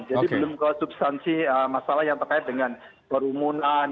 jadi belum ke substansi masalah yang terkait dengan perumunan